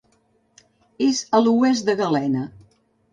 És a l'oest de Galena.